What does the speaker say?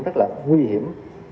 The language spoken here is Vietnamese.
rất là nguy hiểm